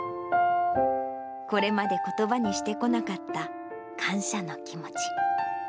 これまでことばにしてこなかった感謝の気持ち。